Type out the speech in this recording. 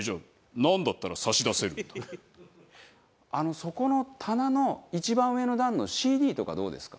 そこの棚の一番上の段のＣＤとかどうですか？